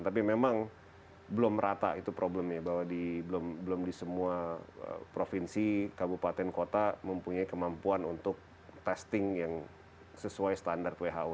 tapi memang belum rata itu problemnya bahwa belum di semua provinsi kabupaten kota mempunyai kemampuan untuk testing yang sesuai standar who